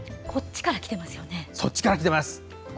そっちから来てます。